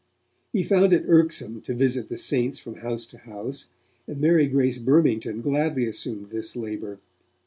He found it irksome to visit the 'saints' from house to house, and Mary Grace Burmington gladly assumed this labour.